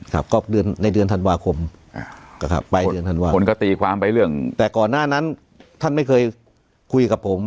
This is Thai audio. ครับก็เดือนในเดือนธันวาคมนะครับไปเดือนธันวาคนก็ตีความไปเรื่องแต่ก่อนหน้านั้นท่านไม่เคยคุยกับผม